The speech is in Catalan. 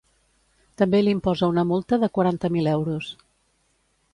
També li imposa una multa de quaranta mil euros.